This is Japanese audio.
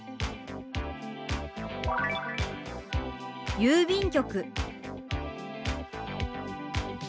「郵便局」。